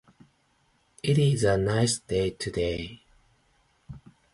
It is a nice day today.